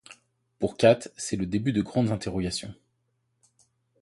Pour Kat, c'est le début de grandes interrogations.